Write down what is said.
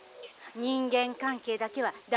人間関係だけは大事な」。